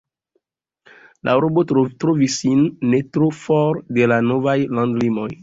La urbo trovis sin ne tro for de la novaj landlimoj.